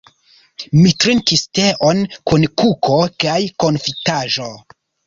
Mi trinkis teon kun kuko kaj konfitaĵo.